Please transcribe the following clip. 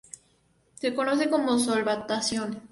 Se conoce como solvatación.